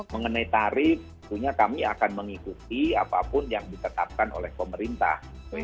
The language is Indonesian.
mengenai tarif tentunya kami akan mengikuti apapun yang ditetapkan oleh pemerintah